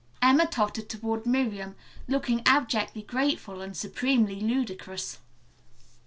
Emma tottered toward Miriam, looking abjectly grateful and supremely ludicrous.